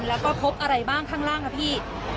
แล้วก็พบอะไรบ้างข้างล่างนะพี่